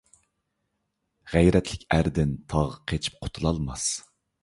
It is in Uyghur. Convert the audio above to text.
غەيرەتلىك ئەردىن تاغ قېچىپ قۇتۇلالماس.